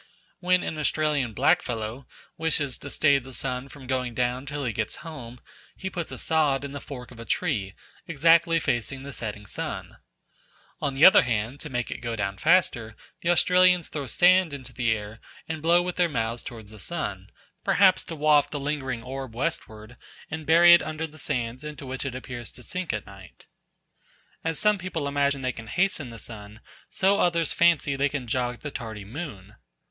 When an Australian blackfellow wishes to stay the sun from going down till he gets home, he puts a sod in the fork of a tree, exactly facing the setting sun. On the other hand, to make it go down faster, the Australians throw sand into the air and blow with their mouths towards the sun, perhaps to waft the lingering orb westward and bury it under the sands into which it appears to sink at night. As some people imagine they can hasten the sun, so others fancy they can jog the tardy moon.